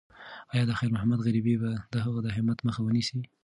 ایا د خیر محمد غریبي به د هغه د همت مخه ونیسي؟